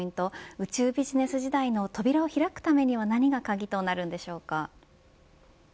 宇宙ビジネス時代の扉を開くためには何が鍵となるんでしょうか。